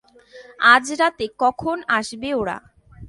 আজরাতে কখন আসবে ওরা?